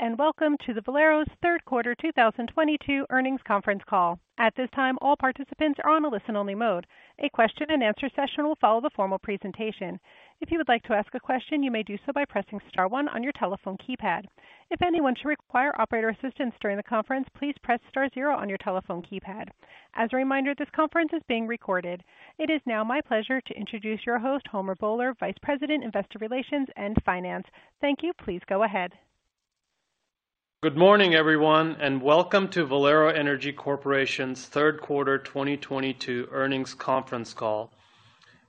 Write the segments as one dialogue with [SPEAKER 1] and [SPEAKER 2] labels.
[SPEAKER 1] Greetings, and welcome to Valero's third quarter 2022 earnings conference call. At this time, all participants are on a listen-only mode. A question-and-answer session will follow the formal presentation. If you would like to ask a question, you may do so by pressing star one on your telephone keypad. If anyone should require operator assistance during the conference, please press star zero on your telephone keypad. As a reminder, this conference is being recorded. It is now my pleasure to introduce your host, Homer Bhullar, Vice President, Investor Relations and Finance. Thank you. Please go ahead.
[SPEAKER 2] Good morning, everyone, and welcome to Valero Energy Corporation's third quarter 2022 earnings conference call.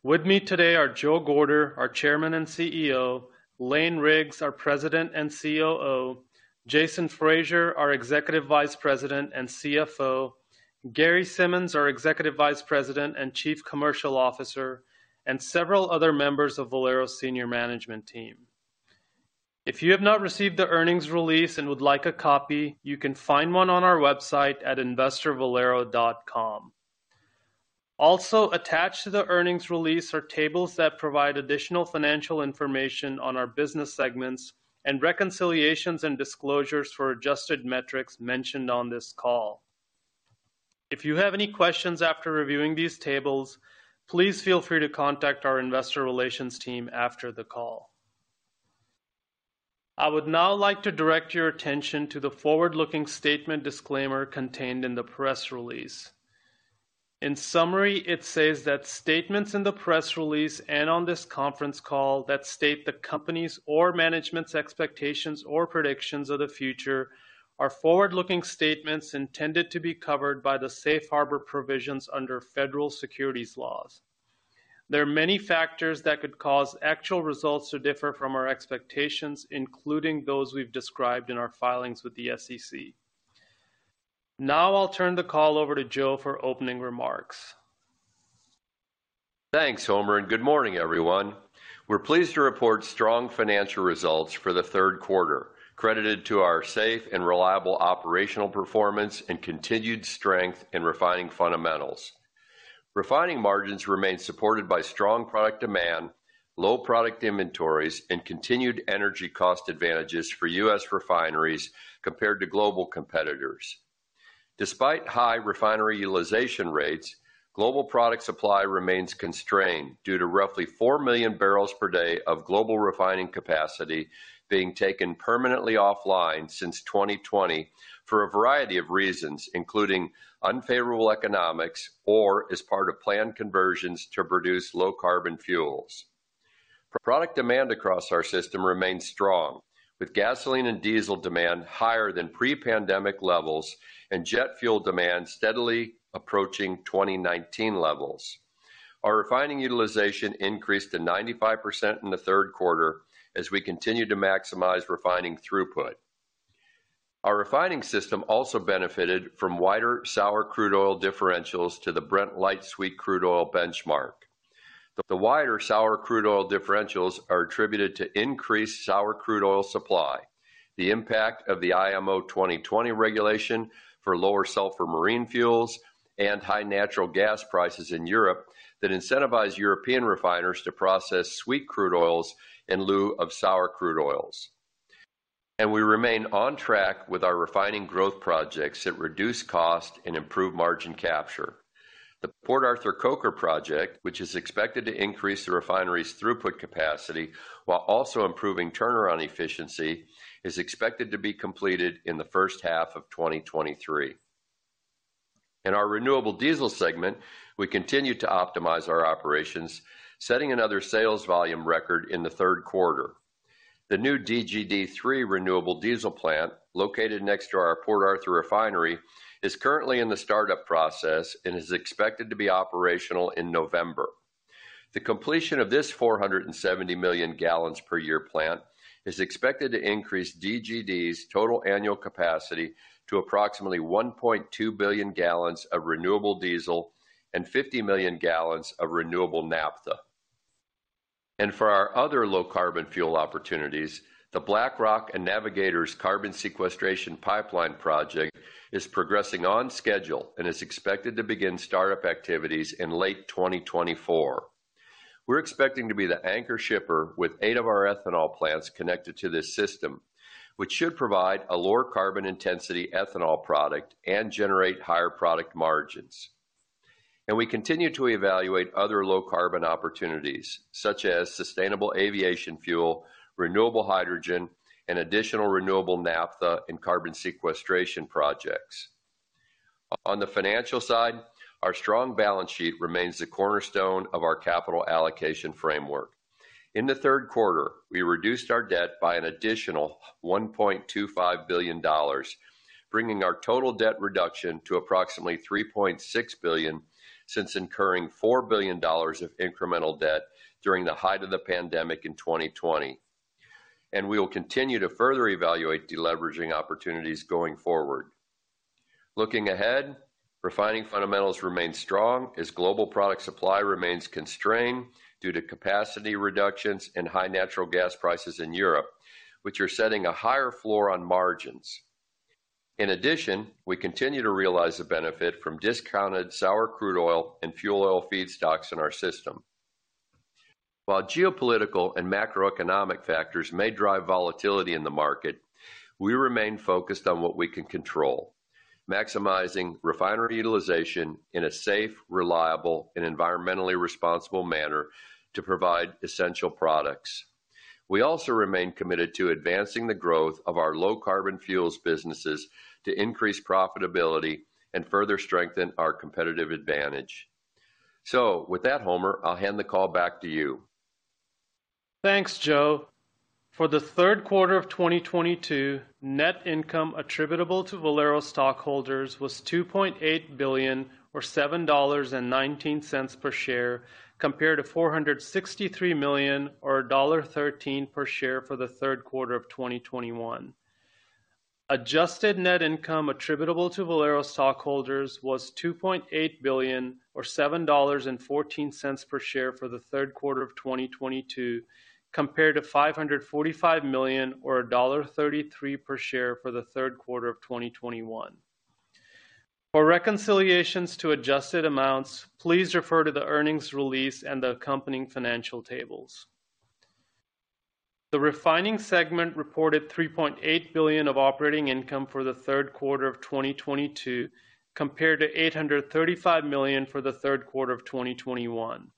[SPEAKER 2] With me today are Joe Gorder, our Chairman and CEO, Lane Riggs, our President and COO, Jason Fraser, our Executive Vice President and CFO, Gary Simmons, our Executive Vice President and Chief Commercial Officer, and several other members of Valero's senior management team. If you have not received the earnings release and would like a copy, you can find one on our website at investorvalero.com. Also, attached to the earnings release are tables that provide additional financial information on our business segments and reconciliations and disclosures for adjusted metrics mentioned on this call. If you have any questions after reviewing these tables, please feel free to contact our investor relations team after the call. I would now like to direct your attention to the forward-looking statement disclaimer contained in the press release. In summary, it says that statements in the press release and on this conference call that state the company's or management's expectations or predictions of the future are forward-looking statements intended to be covered by the safe harbor provisions under federal securities laws. There are many factors that could cause actual results to differ from our expectations, including those we've described in our filings with the SEC. Now I'll turn the call over to Joe for opening remarks.
[SPEAKER 3] Thanks, Homer, and good morning, everyone. We're pleased to report strong financial results for the third quarter, credited to our safe and reliable operational performance and continued strength in refining fundamentals. Refining margins remain supported by strong product demand, low product inventories, and continued energy cost advantages for U.S. refineries compared to global competitors. Despite high refinery utilization rates, global product supply remains constrained due to roughly 4 million barrels per day of global refining capacity being taken permanently offline since 2020 for a variety of reasons, including unfavorable economics or as part of planned conversions to produce low carbon fuels. Product demand across our system remains strong, with gasoline and diesel demand higher than pre-pandemic levels and jet fuel demand steadily approaching 2019 levels. Our refining utilization increased to 95% in the third quarter as we continue to maximize refining throughput. Our refining system also benefited from wider sour crude oil differentials to the Brent light sweet crude oil benchmark. The wider sour crude oil differentials are attributed to increased sour crude oil supply, the impact of the IMO 2020 regulation for lower sulfur marine fuels and high natural gas prices in Europe that incentivize European refiners to process sweet crude oils in lieu of sour crude oils. We remain on track with our refining growth projects that reduce cost and improve margin capture. The Port Arthur Coker project, which is expected to increase the refinery's throughput capacity while also improving turnaround efficiency, is expected to be completed in the first half of 2023. In our renewable diesel segment, we continue to optimize our operations, setting another sales volume record in the third quarter. The new DGD 3 renewable diesel plant located next to our Port Arthur refinery is currently in the startup process and is expected to be operational in November. The completion of this 470 million gallons per year plant is expected to increase DGD's total annual capacity to approximately 1.2 billion gallons of renewable diesel and 50 million gallons of renewable naphtha. For our other low carbon fuel opportunities, the BlackRock and Navigator carbon sequestration pipeline project is progressing on schedule and is expected to begin startup activities in late 2024. We're expecting to be the anchor shipper with eight of our ethanol plants connected to this system, which should provide a lower carbon intensity ethanol product and generate higher product margins. We continue to evaluate other low carbon opportunities such as sustainable aviation fuel, renewable hydrogen, and additional renewable naphtha and carbon sequestration projects. On the financial side, our strong balance sheet remains the cornerstone of our capital allocation framework. In the third quarter, we reduced our debt by an additional $1.25 billion, bringing our total debt reduction to approximately $3.6 billion since incurring $4 billion of incremental debt during the height of the pandemic in 2020. We will continue to further evaluate deleveraging opportunities going forward. Looking ahead, refining fundamentals remain strong as global product supply remains constrained due to capacity reductions and high natural gas prices in Europe, which are setting a higher floor on margins. In addition, we continue to realize the benefit from discounted sour crude oil and fuel oil feedstocks in our system. While geopolitical and macroeconomic factors may drive volatility in the market, we remain focused on what we can control. Maximizing refinery utilization in a safe, reliable, and environmentally responsible manner to provide essential products. We also remain committed to advancing the growth of our low carbon fuels businesses to increase profitability and further strengthen our competitive advantage. With that, Homer, I'll hand the call back to you.
[SPEAKER 2] Thanks, Joe. For the third quarter of 2022, net income attributable to Valero stockholders was $2.8 billion or $7.19 per share, compared to $463 million or $1.13 per share for the third quarter of 2021. Adjusted net income attributable to Valero stockholders was $2.8 billion or $7.14 per share for the third quarter of 2022, compared to $545 million or $1.33 per share for the third quarter of 2021. For reconciliations to adjusted amounts, please refer to the earnings release and the accompanying financial tables. The refining segment reported $3.8 billion of operating income for the third quarter of 2022, compared to $835 million for the third quarter of 2021.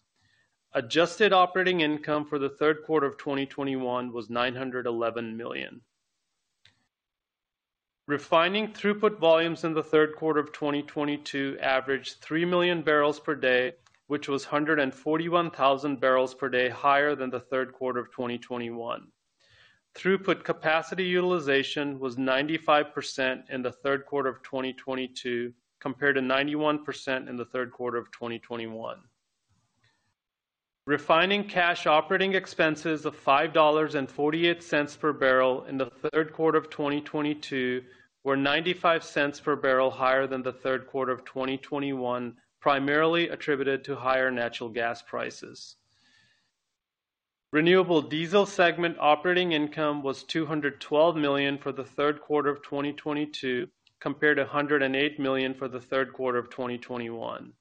[SPEAKER 2] Adjusted operating income for the third quarter of 2021 was $911 million. Refining throughput volumes in the third quarter of 2022 averaged 3 million barrels per day, which was 141,000 barrels per day higher than the third quarter of 2021. Throughput capacity utilization was 95% in the third quarter of 2022, compared to 91% in the third quarter of 2021. Refining cash operating expenses of $5.48 per barrel in the third quarter of 2022 were $0.95 per barrel higher than the third quarter of 2021, primarily attributed to higher natural gas prices. Renewable Diesel segment operating income was $212 million for the third quarter of 2022 compared to $108 million for the third quarter of 2021.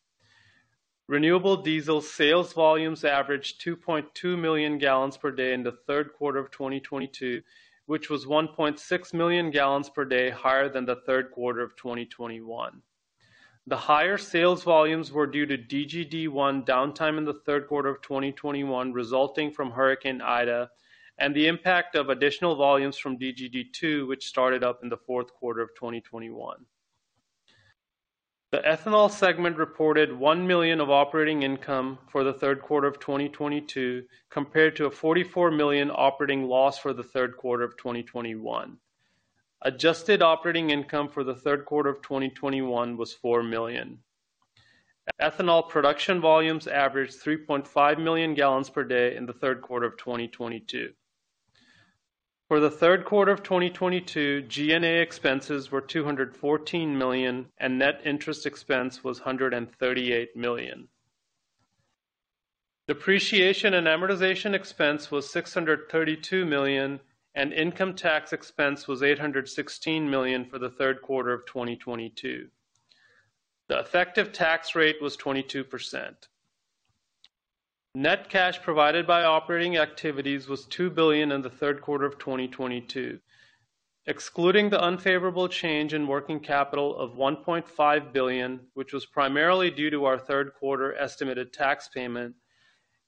[SPEAKER 2] Renewable diesel sales volumes averaged 2.2 million gallons per day in the third quarter of 2022, which was 1.6 million gallons per day higher than the third quarter of 2021. The higher sales volumes were due to DGD 1 downtime in the third quarter of 2021, resulting from Hurricane Ida and the impact of additional volumes from DGD 2, which started up in the fourth quarter of 2021. The ethanol segment reported $1 million of operating income for the third quarter of 2022 compared to a $44 million operating loss for the third quarter of 2021. Adjusted operating income for the third quarter of 2021 was $4 million. Ethanol production volumes averaged 3.5 million gallons per day in the third quarter of 2022. For the third quarter of 2022, G&A expenses were $214 million, and net interest expense was $138 million. Depreciation and amortization expense was $632 million, and income tax expense was $816 million for the third quarter of 2022. The effective tax rate was 22%. Net cash provided by operating activities was $2 billion in the third quarter of 2022. Excluding the unfavorable change in working capital of $1.5 billion, which was primarily due to our third quarter estimated tax payment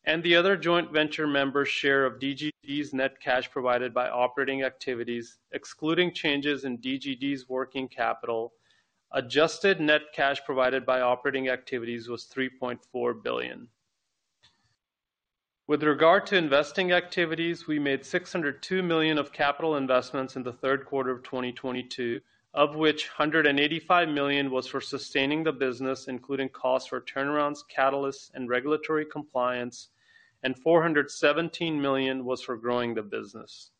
[SPEAKER 2] and the other joint venture members' share of DGD's net cash provided by operating activities, excluding changes in DGD's working capital, adjusted net cash provided by operating activities was $3.4 billion. With regard to investing activities, we made $602 million of capital investments in the third quarter of 2022, of which $185 million was for sustaining the business, including costs for turnarounds, catalysts, and regulatory compliance, and $417 million was for growing the business.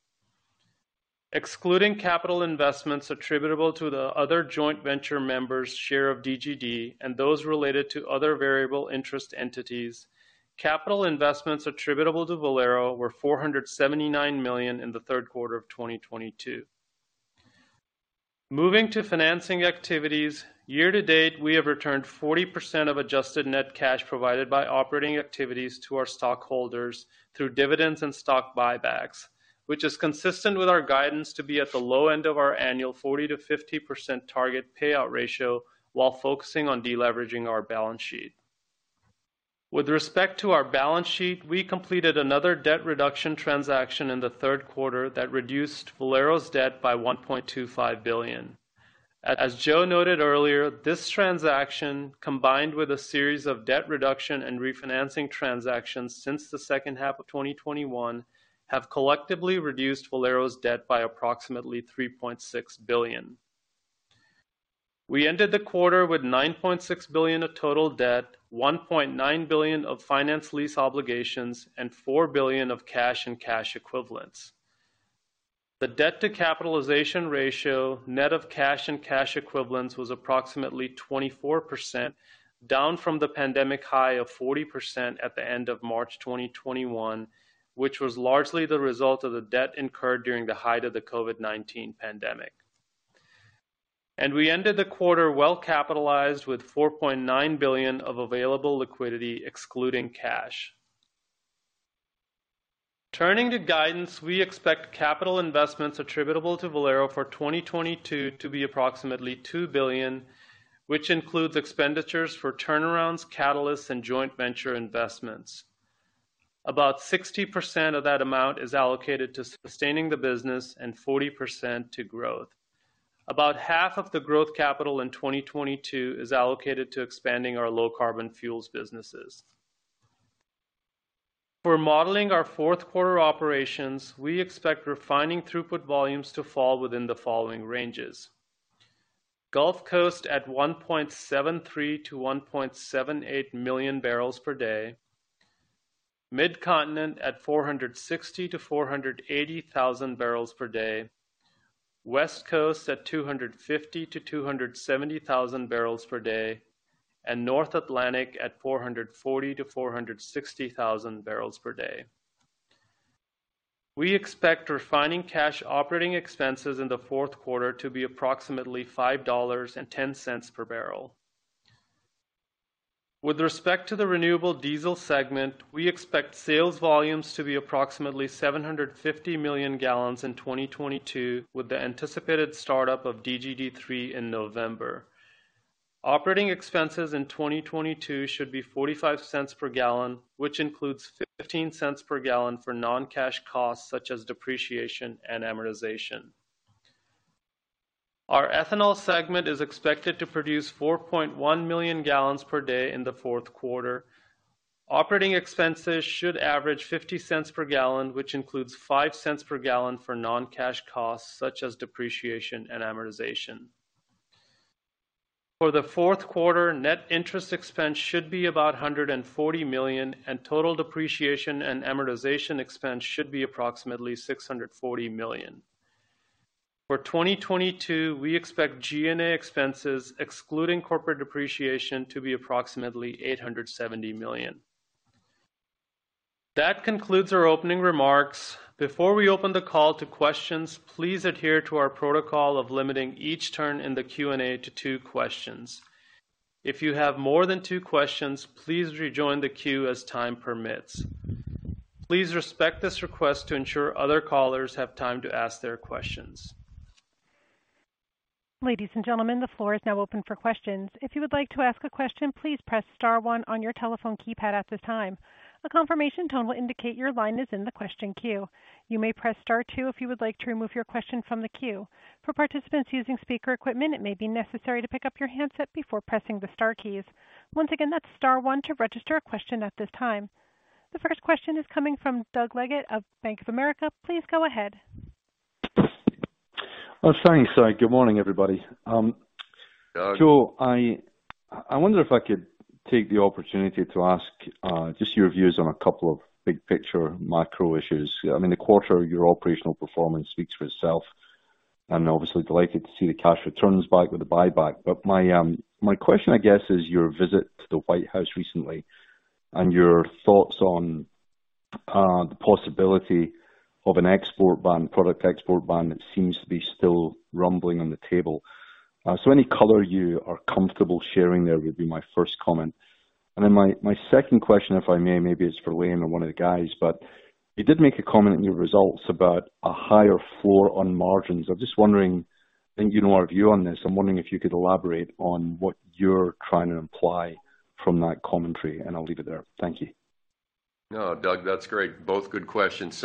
[SPEAKER 2] Excluding capital investments attributable to the other joint venture members' share of DGD and those related to other variable interest entities, capital investments attributable to Valero were $479 million in the third quarter of 2022. Moving to financing activities, year to date, we have returned 40% of adjusted net cash provided by operating activities to our stockholders through dividends and stock buybacks, which is consistent with our guidance to be at the low end of our annual 40%-50% target payout ratio while focusing on deleveraging our balance sheet. With respect to our balance sheet, we completed another debt reduction transaction in the third quarter that reduced Valero's debt by $1.25 billion. As Joe noted earlier, this transaction, combined with a series of debt reduction and refinancing transactions since the second half of 2021, have collectively reduced Valero's debt by approximately $3.6 billion. We ended the quarter with $9.6 billion of total debt, $1.9 billion of finance lease obligations, and $4 billion of cash and cash equivalents. The debt to capitalization ratio, net of cash and cash equivalents, was approximately 24%, down from the pandemic high of 40% at the end of March 2021, which was largely the result of the debt incurred during the height of the COVID-19 pandemic. We ended the quarter well-capitalized with $4.9 billion of available liquidity excluding cash. Turning to guidance, we expect capital investments attributable to Valero for 2022 to be approximately $2 billion, which includes expenditures for turnarounds, catalysts, and joint venture investments. About 60% of that amount is allocated to sustaining the business and 40% to growth. About half of the growth capital in 2022 is allocated to expanding our low carbon fuels businesses. For modeling our fourth quarter operations, we expect refining throughput volumes to fall within the following ranges. Gulf Coast at 1.73 million-1.78 million barrels per day. Mid-Continent at 460,000-480,000 barrels per day. West Coast at 250,000-270,000 barrels per day. North Atlantic at 440,000-460,000 barrels per day. We expect refining cash operating expenses in the fourth quarter to be approximately $5.10 per barrel. With respect to the renewable diesel segment, we expect sales volumes to be approximately 750 million gallons in 2022, with the anticipated start-up of DGD 3 in November. Operating expenses in 2022 should be $0.45 per gallon, which includes $0.15 per gallon for non-cash costs such as depreciation and amortization. Our ethanol segment is expected to produce 4.1 million gallons per day in the fourth quarter. Operating expenses should average $0.50 per gallon, which includes $0.05 per gallon for non-cash costs such as depreciation and amortization. For the fourth quarter, net interest expense should be about $140 million, and total depreciation and amortization expense should be approximately $640 million. For 2022, we expect G&A expenses excluding corporate depreciation to be approximately $870 million. That concludes our opening remarks. Before we open the call to questions, please adhere to our protocol of limiting each turn in the Q&A to two questions. If you have more than two questions, please rejoin the queue as time permits. Please respect this request to ensure other callers have time to ask their questions.
[SPEAKER 1] Ladies and gentlemen, the floor is now open for questions. If you would like to ask a question, please press star one on your telephone keypad at this time. A confirmation tone will indicate your line is in the question queue. You may press star two if you would like to remove your question from the queue. For participants using speaker equipment, it may be necessary to pick up your handset before pressing the star keys. Once again, that's star one to register a question at this time. The first question is coming from Doug Leggate of Bank of America. Please go ahead.
[SPEAKER 4] Oh, thanks. Good morning, everybody.
[SPEAKER 3] Doug.
[SPEAKER 4] Joe, I wonder if I could take the opportunity to ask just your views on a couple of big picture macro issues. I mean, the quarter, your operational performance speaks for itself. I'm obviously delighted to see the cash returns back with the buyback. My question, I guess, is your visit to the White House recently and your thoughts on the possibility of an export ban, product export ban that seems to be still rumbling on the table. Any color you are comfortable sharing there would be my first comment. Then my second question, if I may, maybe it's for Lane or one of the guys. You did make a comment in your results about a higher floor on margins. I'm just wondering, I think you know our view on this. I'm wondering if you could elaborate on what you're trying to imply from that commentary, and I'll leave it there. Thank you.
[SPEAKER 3] No, Doug, that's great. Both good questions.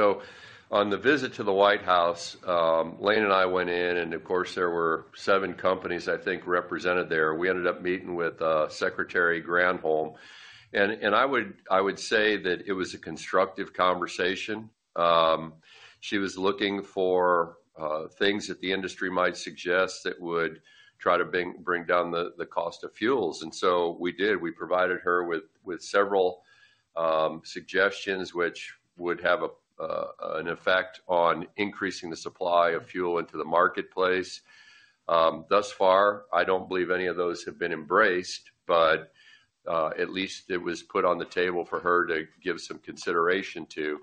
[SPEAKER 3] On the visit to the White House, Lane and I went in, and of course, there were seven companies, I think, represented there. We ended up meeting with Secretary Granholm. I would say that it was a constructive conversation. She was looking for things that the industry might suggest that would try to bring down the cost of fuels. We did. We provided her with several suggestions which would have an effect on increasing the supply of fuel into the marketplace. Thus far, I don't believe any of those have been embraced, but at least it was put on the table for her to give some consideration to.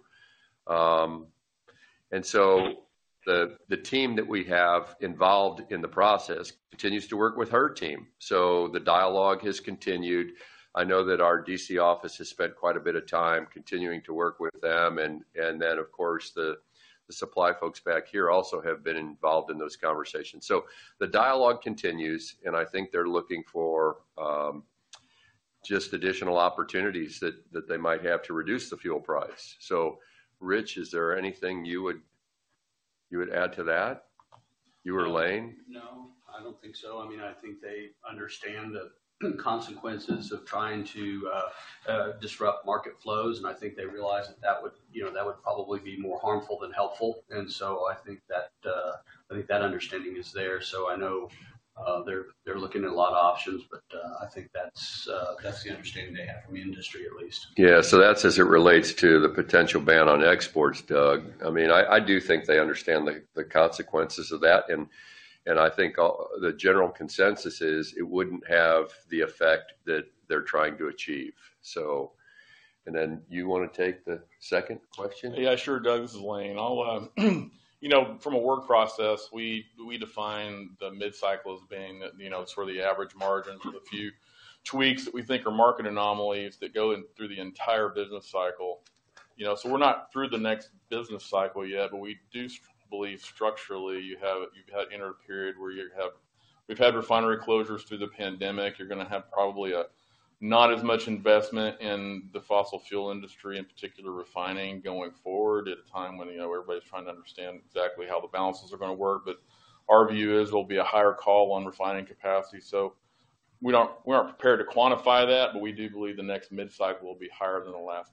[SPEAKER 3] The team that we have involved in the process continues to work with her team. The dialogue has continued. I know that our D.C. office has spent quite a bit of time continuing to work with them, and then, of course, the supply folks back here also have been involved in those conversations. The dialogue continues, and I think they're looking for just additional opportunities that they might have to reduce the fuel price. Rich, is there anything you would add to that? You or Lane?
[SPEAKER 5] No, I don't think so. I mean, I think they understand the consequences of trying to disrupt market flows. I think they realize that that would, you know, that would probably be more harmful than helpful. I think that understanding is there. I know they're looking at a lot of options, but I think that's the understanding they have from the industry at least.
[SPEAKER 3] Yeah. That's as it relates to the potential ban on exports, Doug. I mean, I do think they understand the consequences of that. I think all the general consensus is it wouldn't have the effect that they're trying to achieve. And then you wanna take the second question?
[SPEAKER 6] Yeah, sure. Doug, this is Lane. I'll you know, from a work process, we define the mid-cycle as being, you know, sort of the average margin for the few tweaks that we think are market anomalies that go in through the entire business cycle. You know, we're not through the next business cycle yet, but we do believe structurally you've entered a period where we've had refinery closures through the pandemic. You're gonna have probably not as much investment in the fossil fuel industry, in particular refining going forward at a time when, you know, everybody's trying to understand exactly how the balances are gonna work. But our view is there'll be a higher call on refining capacity. We aren't prepared to quantify that, but we do believe the next mid-cycle will be higher than the last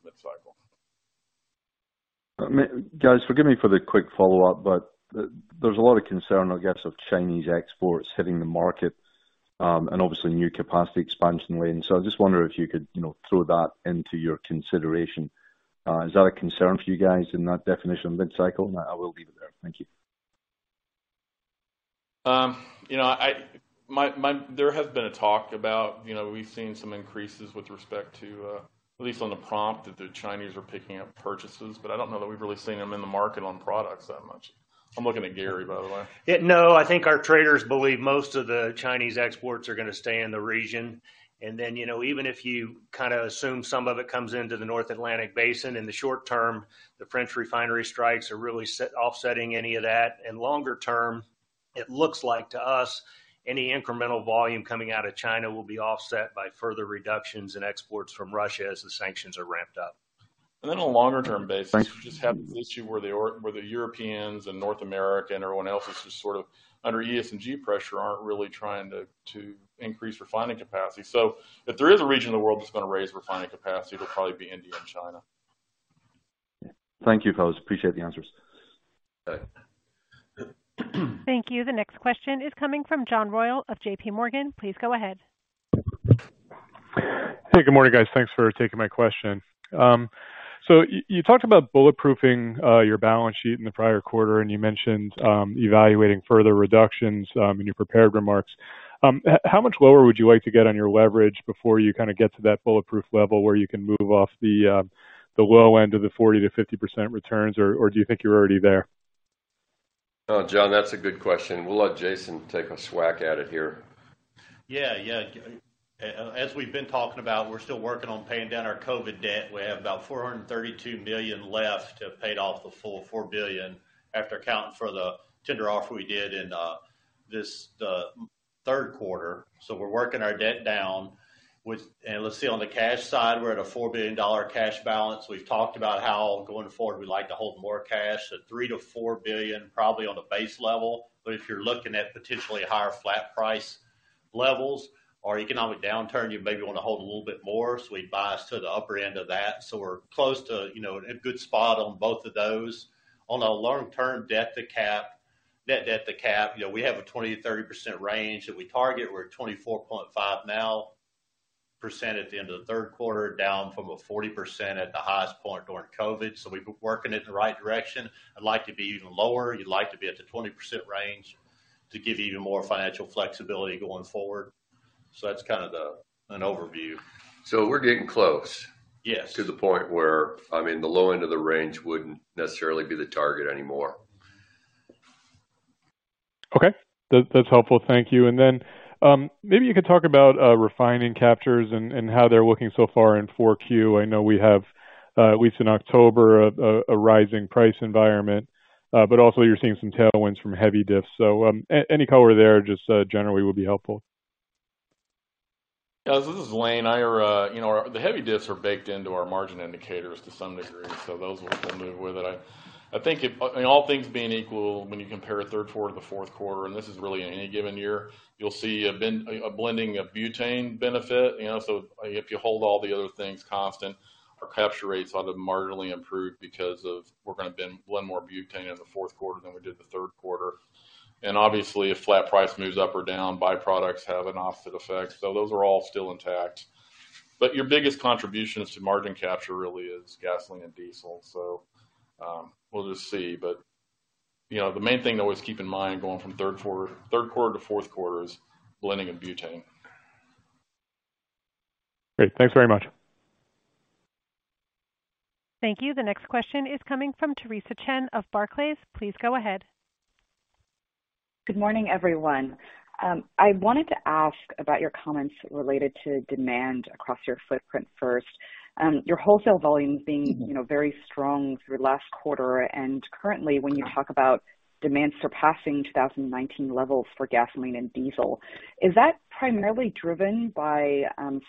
[SPEAKER 6] mid-cycle.
[SPEAKER 4] Guys, forgive me for the quick follow-up, but there's a lot of concern, I guess, of Chinese exports hitting the market, and obviously new capacity expansion, Lane. I just wonder if you could, you know, throw that into your consideration. Is that a concern for you guys in that definition of mid-cycle? I will leave it there. Thank you.
[SPEAKER 6] You know, there has been a talk about, you know, we've seen some increases with respect to, at least on the prompt that the Chinese are picking up purchases, but I don't know that we've really seen them in the market on products that much. I'm looking at Gary, by the way.
[SPEAKER 7] Yeah. No, I think our traders believe most of the Chinese exports are gonna stay in the region. Then, you know, even if you kinda assume some of it comes into the North Atlantic Basin, in the short term, the French refinery strikes are really set, offsetting any of that. Longer term, it looks like to us, any incremental volume coming out of China will be offset by further reductions in exports from Russia as the sanctions are ramped up.
[SPEAKER 6] On a longer-term basis.
[SPEAKER 4] Thanks
[SPEAKER 6] We just have this issue where the Europeans and North America and everyone else is just sort of under ESG pressure, aren't really trying to increase refining capacity. If there is a region in the world that's gonna raise refining capacity, it'll probably be India and China.
[SPEAKER 4] Thank you, folks. Appreciate the answers.
[SPEAKER 6] Okay.
[SPEAKER 1] Thank you. The next question is coming from John Royall of JPMorgan. Please go ahead.
[SPEAKER 8] Hey, good morning, guys. Thanks for taking my question. You talked about bulletproofing your balance sheet in the prior quarter, and you mentioned evaluating further reductions in your prepared remarks. How much lower would you like to get on your leverage before you get to that bulletproof level where you can move off the low end of the 40%-50% returns, or do you think you're already there?
[SPEAKER 6] Oh, John, that's a good question. We'll let Jason take a whack at it here.
[SPEAKER 7] Yeah, yeah. As we've been talking about, we're still working on paying down our COVID debt. We have about $432 million left to pay off the full $4 billion after accounting for the tender offer we did in this third quarter. We're working our debt down with, let's see, on the cash side, we're at a $4 billion cash balance. We've talked about how going forward, we like to hold more cash at $3 billion-$4 billion, probably on a base level. But if you're looking at potentially higher flat price levels or economic downturn, you maybe wanna hold a little bit more, so we bias to the upper end of that. We're close to, you know, a good spot on both of those. On a long-term debt to cap, net debt to cap, you know, we have a 20%-30% range that we target. We're at 24.5% now at the end of the third quarter, down from 40% at the highest point during COVID. We've been working it in the right direction. I'd like to be even lower. You'd like to be at the 20% range to give you even more financial flexibility going forward. That's kind of the an overview.
[SPEAKER 6] We're getting close.
[SPEAKER 7] Yes
[SPEAKER 6] to the point where, I mean, the low end of the range wouldn't necessarily be the target anymore.
[SPEAKER 8] Okay. That's helpful. Thank you. Maybe you could talk about refining captures and how they're looking so far in 4Q. I know we have at least in October a rising price environment, but also you're seeing some tailwinds from heavy diffs. Any color there, just generally would be helpful.
[SPEAKER 6] Yeah. This is Lane. The heavy diffs are baked into our margin indicators to some degree. Those will move with it. I think, I mean, all things being equal, when you compare a third quarter to the fourth quarter, and this is really in any given year, you'll see a blending of butane benefit, you know. If you hold all the other things constant, our capture rates ought to marginally improve because we're gonna blend more butane in the fourth quarter than we did the third quarter. Obviously, if flat price moves up or down, byproducts have an offset effect. Those are all still intact. Your biggest contributions to margin capture really is gasoline and diesel. We'll just see. You know, the main thing to always keep in mind going from third quarter to fourth quarter is blending and butane.
[SPEAKER 8] Great. Thanks very much.
[SPEAKER 1] Thank you. The next question is coming from Theresa Chen of Barclays. Please go ahead.
[SPEAKER 4] Good morning, everyone. I wanted to ask about your comments related to demand across your footprint first. Your wholesale volumes being, you know, very strong through last quarter, and currently when you talk about demand surpassing 2019 levels for gasoline and diesel, is that primarily driven by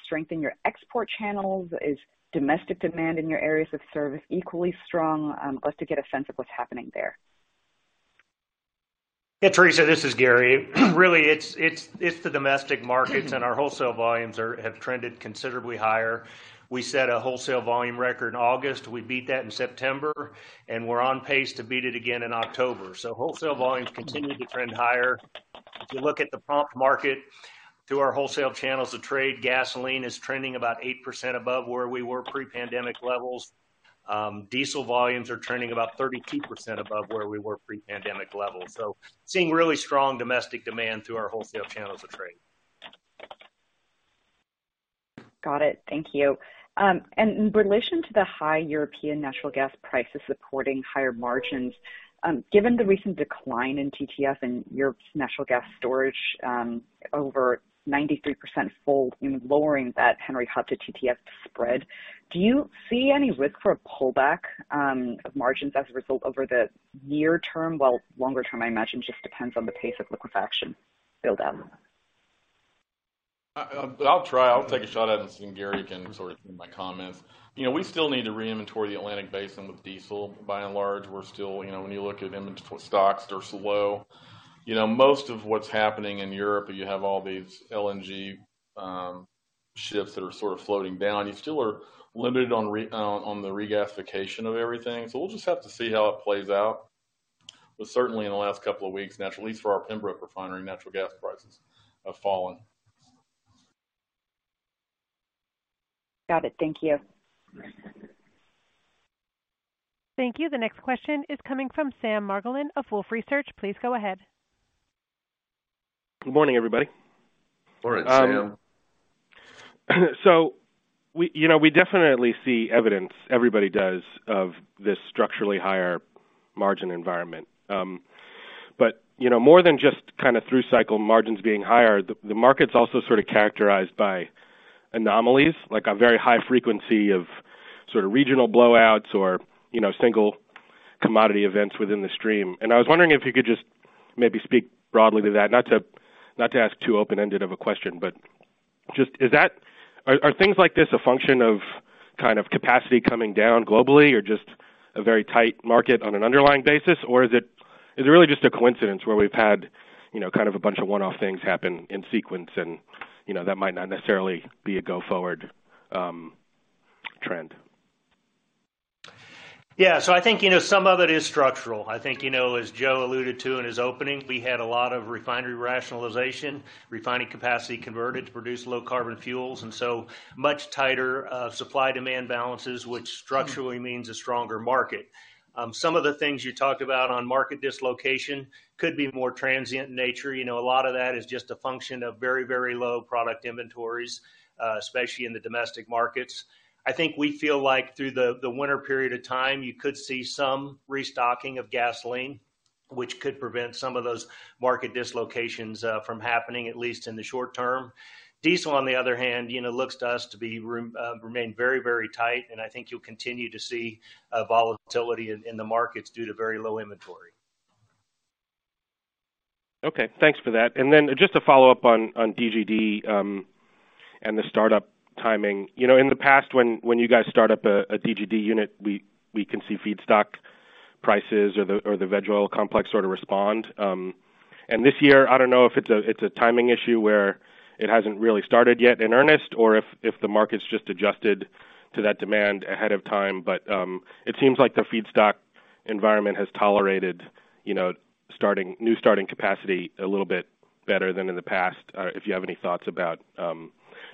[SPEAKER 4] strength in your export channels? Is domestic demand in your areas of service equally strong? I'd like to get a sense of what's happening there.
[SPEAKER 7] Yeah, Theresa, this is Gary. Really, it's the domestic markets, and our wholesale volumes have trended considerably higher. We set a wholesale volume record in August. We beat that in September, and we're on pace to beat it again in October. Wholesale volumes continue to trend higher. If you look at the spot market through our wholesale channels of trade, gasoline is trending about 8% above where we were pre-pandemic levels. Diesel volumes are trending about 32% above where we were pre-pandemic levels. Seeing really strong domestic demand through our wholesale channels of trade.
[SPEAKER 9] Got it. Thank you. In relation to the high European natural gas prices supporting higher margins, given the recent decline in TTF and Europe's natural gas storage over 93% full in lowering that Henry Hub to TTF spread, do you see any risk for a pullback of margins as a result over the near term? While longer term, I imagine, just depends on the pace of liquefaction build-out.
[SPEAKER 3] I'll try. I'll take a shot at it and see if Gary can sort of see my comments. You know, we still need to reinventory the Atlantic basin with diesel, by and large. We're still. You know, when you look at inventory stocks, they're slow. You know, most of what's happening in Europe, you have all these LNG ships that are sort of floating down. You still are limited on the regasification of everything. We'll just have to see how it plays out. But certainly in the last couple of weeks, at least for our Pembroke Refinery, natural gas prices have fallen.
[SPEAKER 9] Got it. Thank you.
[SPEAKER 1] Thank you. The next question is coming from Sam Margolin of Wolfe Research. Please go ahead.
[SPEAKER 10] Good morning, everybody.
[SPEAKER 3] Morning, Sam.
[SPEAKER 10] We, you know, we definitely see evidence, everybody does, of this structurally higher margin environment. You know, more than just kind of through-cycle margins being higher, the market's also sort of characterized by anomalies, like a very high frequency of sort of regional blowouts or, you know, single commodity events within the stream. I was wondering if you could just maybe speak broadly to that. Not to ask too open-ended of a question, but just, is that? Are things like this a function of kind of capacity coming down globally or just a very tight market on an underlying basis? Or is it really just a coincidence where we've had, you know, kind of a bunch of one-off things happen in sequence and, you know, that might not necessarily be a go-forward trend?
[SPEAKER 7] Yeah. I think, you know, some of it is structural. I think, you know, as Joe alluded to in his opening, we had a lot of refinery rationalization, refining capacity converted to produce low carbon fuels, and so much tighter supply-demand balances, which structurally means a stronger market. Some of the things you talked about on market dislocation could be more transient in nature. You know, a lot of that is just a function of very, very low product inventories, especially in the domestic markets. I think we feel like through the winter period of time, you could see some restocking of gasoline, which could prevent some of those market dislocations from happening, at least in the short term. Diesel, on the other hand, you know, looks to us to remain very, very tight, and I think you'll continue to see volatility in the markets due to very low inventory.
[SPEAKER 10] Okay. Thanks for that. Just to follow up on DGD and the startup timing. You know, in the past, when you guys start up a DGD unit, we can see feedstock prices or the veg oil complex sort of respond. This year, I don't know if it's a timing issue where it hasn't really started yet in earnest or if the market's just adjusted to that demand ahead of time. It seems like the feedstock environment has tolerated, you know, starting new capacity a little bit better than in the past. If you have any thoughts about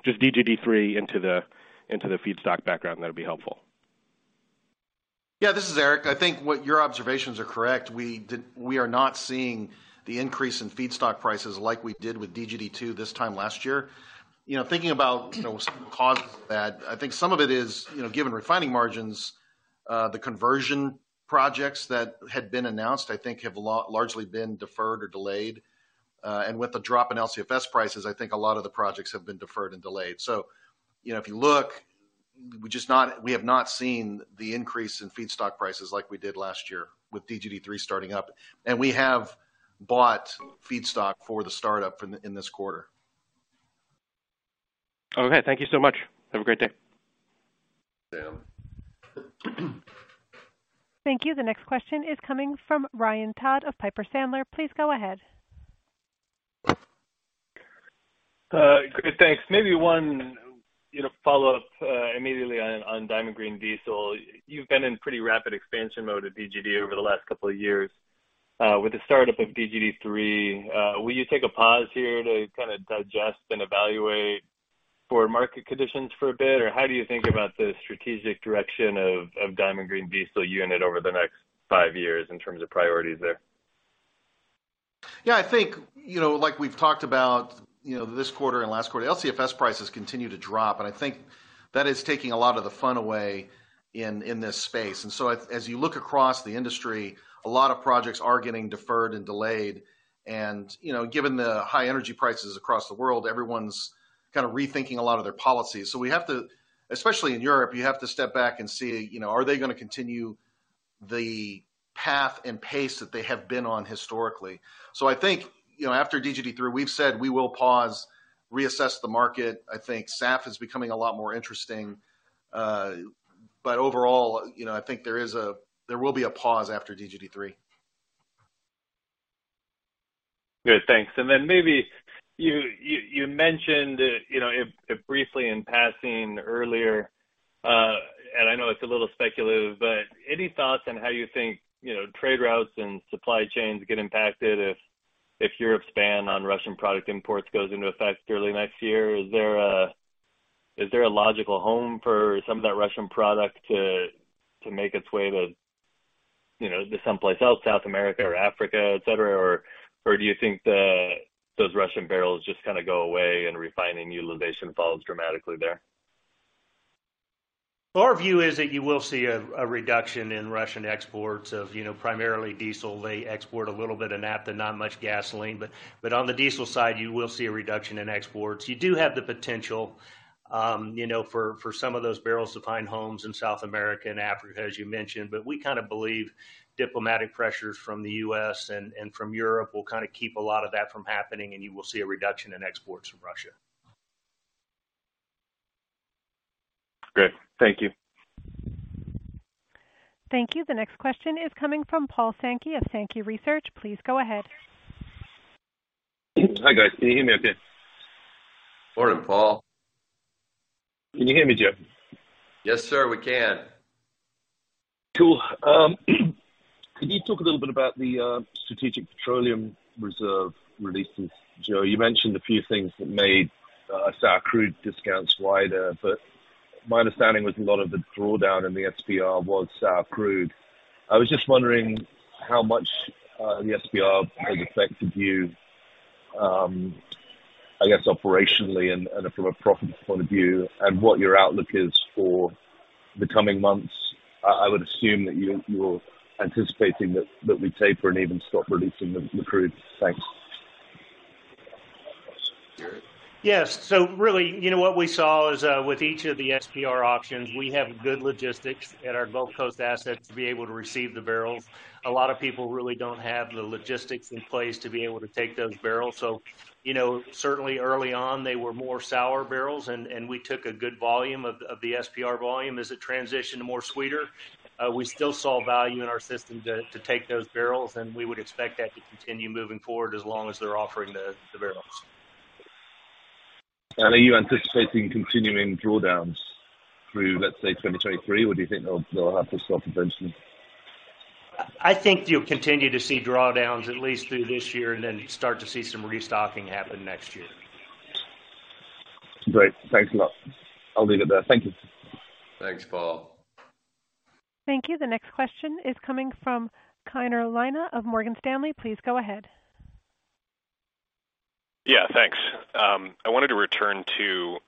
[SPEAKER 10] just DGD 3 into the feedstock background, that'd be helpful.
[SPEAKER 11] Yeah. This is Eric. I think what your observations are correct. We are not seeing the increase in feedstock prices like we did with DGD 2 this time last year. You know, thinking about, you know, some causes of that, I think some of it is, you know, given refining margins, the conversion projects that had been announced, I think have largely been deferred or delayed. And with the drop in LCFS prices, I think a lot of the projects have been deferred and delayed. You know, if you look, we have not seen the increase in feedstock prices like we did last year with DGD 3 starting up. We have bought feedstock for the startup in this quarter.
[SPEAKER 10] Okay. Thank you so much. Have a great day.
[SPEAKER 11] Sam.
[SPEAKER 1] Thank you. The next question is coming from Ryan Todd of Piper Sandler. Please go ahead.
[SPEAKER 12] Good. Thanks. Maybe one, you know, follow-up immediately on Diamond Green Diesel. You've been in pretty rapid expansion mode at DGD over the last couple of years. With the startup of DGD 3, will you take a pause here to kind of digest and evaluate for market conditions for a bit? Or how do you think about the strategic direction of Diamond Green Diesel unit over the next five years in terms of priorities there?
[SPEAKER 7] Yeah, I think, you know, like we've talked about, you know, this quarter and last quarter, LCFS prices continue to drop, and I think that is taking a lot of the fun away in this space. So as you look across the industry, a lot of projects are getting deferred and delayed. You know, given the high energy prices across the world, everyone's kind of rethinking a lot of their policies. Especially in Europe, you have to step back and see, you know, are they gonna continue the path and pace that they have been on historically. I think, you know, after DGD three, we've said we will pause, reassess the market. I think SAF is becoming a lot more interesting. But overall, you know, I think there will be a pause after DGD three.
[SPEAKER 12] Good. Thanks. Then maybe you mentioned, you know, it briefly in passing earlier, and I know it's a little speculative, but any thoughts on how you think, you know, trade routes and supply chains get impacted if Europe's ban on Russian product imports goes into effect early next year? Is there a logical home for some of that Russian product to make its way to you know, to someplace else, South America or Africa, et cetera. Or do you think the, those Russian barrels just kind of go away and refining utilization falls dramatically there?
[SPEAKER 7] Our view is that you will see a reduction in Russian exports of, you know, primarily diesel. They export a little bit of naphtha, not much gasoline, but on the diesel side, you will see a reduction in exports. You do have the potential, you know, for some of those barrels to find homes in South America and Africa, as you mentioned. We kind of believe diplomatic pressures from the U.S. and from Europe will kind of keep a lot of that from happening, and you will see a reduction in exports from Russia.
[SPEAKER 12] Great. Thank you.
[SPEAKER 1] Thank you. The next question is coming from Paul Sankey of Sankey Research. Please go ahead.
[SPEAKER 13] Hi, guys. Can you hear me okay?
[SPEAKER 3] Morning, Paul.
[SPEAKER 13] Can you hear me, Joe?
[SPEAKER 3] Yes, sir, we can.
[SPEAKER 13] Cool. Can you talk a little bit about the strategic petroleum reserve releases? Joe, you mentioned a few things that made sour crude discounts wider, but my understanding was a lot of the drawdown in the SPR was sour crude. I was just wondering how much the SPR has affected you, I guess operationally and from a profit point of view, and what your outlook is for the coming months. I would assume that you're anticipating that we taper and even stop releasing the crude. Thanks.
[SPEAKER 3] Gary?
[SPEAKER 7] Yes. Really, you know, what we saw is with each of the SPR auctions, we have good logistics at our Gulf Coast assets to be able to receive the barrels. A lot of people really don't have the logistics in place to be able to take those barrels. You know, certainly early on, they were more sour barrels and we took a good volume of the SPR volume. As it transitioned to more sweeter, we still saw value in our system to take those barrels, and we would expect that to continue moving forward as long as they're offering the barrels.
[SPEAKER 13] Are you anticipating continuing drawdowns through, let's say, 2023? Or do you think they'll have to stop eventually?
[SPEAKER 7] I think you'll continue to see drawdowns at least through this year and then start to see some restocking happen next year.
[SPEAKER 13] Great. Thanks a lot. I'll leave it there. Thank you.
[SPEAKER 3] Thanks, Paul.
[SPEAKER 1] Thank you. The next question is coming from Connor Lynagh of Morgan Stanley. Please go ahead.
[SPEAKER 14] Yeah, thanks. I wanted to return to